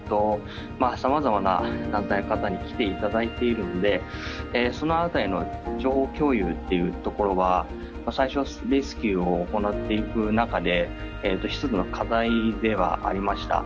さまざまな団体の方に来て頂いているんでそのあたりの情報共有っていうところは最初レスキューを行っていく中で一つの課題ではありました。